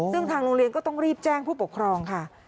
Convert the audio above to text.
ซึ่งทางโรงเรียนก็ต้องรีบแจ้งผู้ปกครองค่ะ